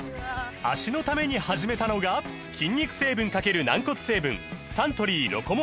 脚のために始めたのが筋肉成分×軟骨成分サントリー「ロコモア」です